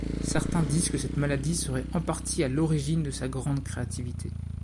Certains disent que cette maladie serait en partie à l'origine de sa grande créativité.